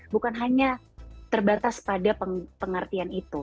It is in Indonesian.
bukan hanya terbatas pada pengertian itu